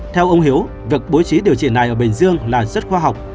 theo ông hiếu việc bố trí điều trị này ở bình dương là rất khoa học